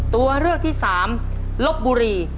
ตัวเลือกที่๓ลบบุรี